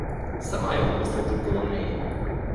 Сама його посаджу коло неї!